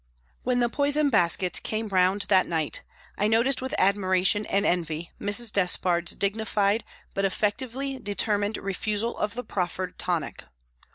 When the poison basket came round that night, I THE HOSPITAL 105 noticed with admiration and envy Mrs. Despard's dignified but effectively determined refusal of the proffered tonic.